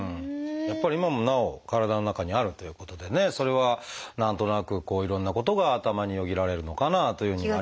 やっぱり今もなお体の中にあるということでねそれは何となくいろんなことが頭によぎられるのかなというのも。